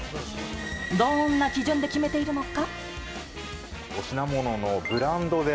どんな基準で決めているのか？